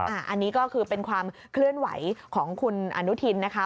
อันนี้ก็คือเป็นความเคลื่อนไหวของคุณอนุทินนะคะ